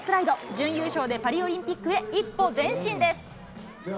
準優勝でパリオリンピックへ一歩前進です。